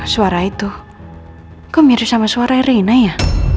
suara itu kok mirip sama suara erina ya